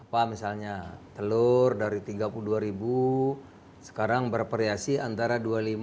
apa misalnya telur dari tiga puluh dua ribu sekarang bervariasi antara dua puluh lima dua puluh enam dua puluh tujuh dua puluh delapan